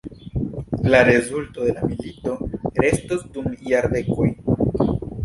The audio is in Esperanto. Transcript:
La rezulto de la milito restos dum jardekoj.